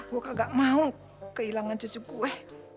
gua kagak mau kehilangan cucu gue